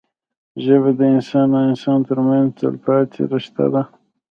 ژبه د انسان او انسان ترمنځ تلپاتې رشته ده